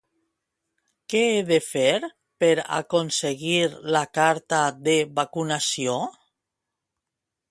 Què he de fer per aconseguir la carta de vacunació?